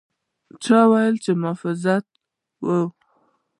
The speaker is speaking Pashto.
، چې ولې دې محفوظ وواژه؟